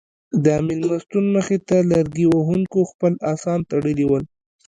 د مېلمستون مخې ته لرګي وهونکو خپل اسان تړلي ول.